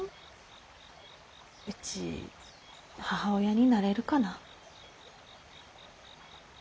うち母親になれるかな？